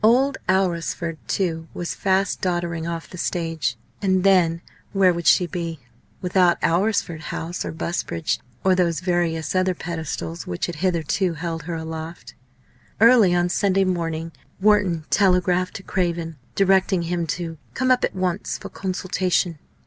Old Alresford, too, was fast doddering off the stage, and then where would she be without Alresford House, or Busbridge, or those various other pedestals which had hitherto held her aloft? Early on Sunday morning Wharton telegraphed to Craven, directing him to "come up at once for consultation."